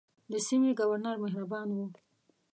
د سیمې ګورنر مهربان وو.